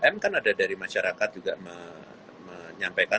m kan ada dari masyarakat juga menyampaikan